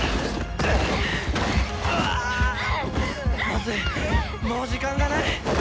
まずいもう時間がない！